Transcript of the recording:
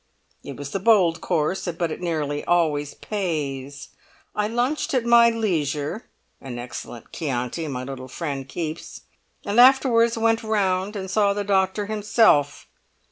It was the bold course; but it nearly always pays. I lunched at my leisure (an excellent Chianti my little friend keeps) and afterwards went round and saw the doctor himself.